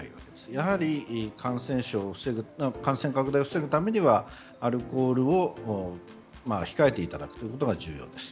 やはり感染拡大を防ぐにはアルコールを控えていただくことが重要です。